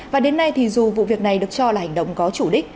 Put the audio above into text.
và đến nay thì dù vụ việc này được cho là hành động có chủ đích